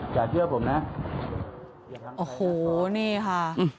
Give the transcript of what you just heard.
จ้ะเชื่อผมนะ